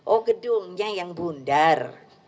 oh gedungnya yang bundar